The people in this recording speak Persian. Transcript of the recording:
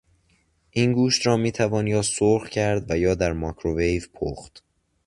این گوشت را میتوان یا سرخ کرد و یا در مایکروویو پخت.